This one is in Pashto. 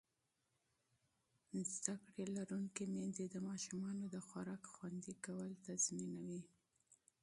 تعلیم لرونکې میندې د ماشومانو د خوراک خوندي کول تضمینوي.